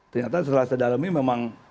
ternyata setelah sedalami memang